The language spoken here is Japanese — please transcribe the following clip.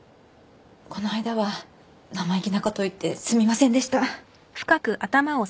この間は生意気なことを言ってすみませんでした。